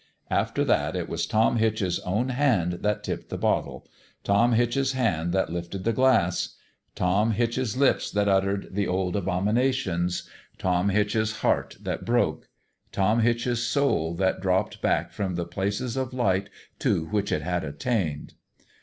After that it was Tom Hitch's own hand that tipped the bottle Tom Hitch's hand that lifted the glass Tom Hitch's lips that ut tered the old abominations Tom Hitch's heart that broke Tom Hitch's soul that dropped back from the places of light to which it had attained.